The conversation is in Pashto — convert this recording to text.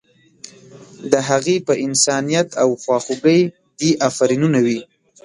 د هغې په انسانیت او خواخوږۍ دې افرینونه وي.